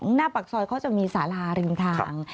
หน้าปากซอยเขาจะมีสาราริมทาง